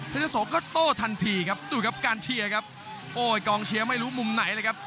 จะโสมก็โต้ทันทีครับดูครับการเชียร์ครับโอ้ยกองเชียร์ไม่รู้มุมไหนเลยครับ